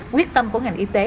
quyết tâm của ngành y tế